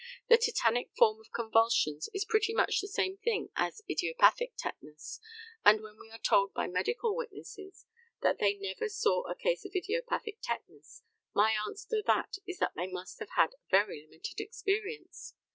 The tetanic form of convulsions is pretty much the same thing as idiopathic tetanus; and when we are told by medical witnesses that they never saw a case of idiopathic tetanus, my answer to that is that they must have had a very limited experience.